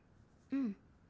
うん。